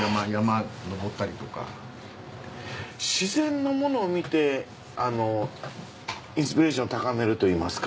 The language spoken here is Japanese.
自然のものを見てインスピレーションを高めるといいますか。